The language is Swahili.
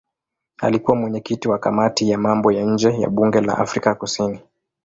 Alikuwa mwenyekiti wa kamati ya mambo ya nje ya bunge la Afrika Kusini.